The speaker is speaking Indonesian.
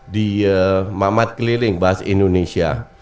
di mamatkeliling bahas indonesia